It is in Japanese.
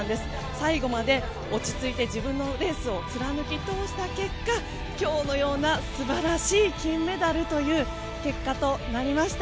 最後まで落ち着いて自分のレースを貫き通した結果今日のような素晴らしい金メダルという結果となりました。